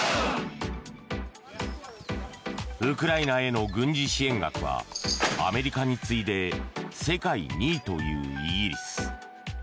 ウクライナへの軍事支援額はアメリカに次いで世界２位というイギリス。